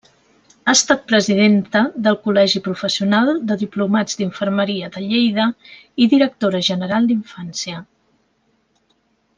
Ha estat presidenta del Col·legi Professional de Diplomats d'Infermeria de Lleida i Directora General d'Infància.